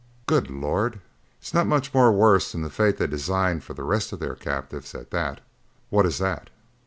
"Good Lord!" "It's not much more worse than the fate they design for the rest of their captives, at that." "What is that?"